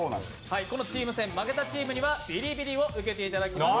このチーム戦、負けたチームにはビリビリを受けていただきます。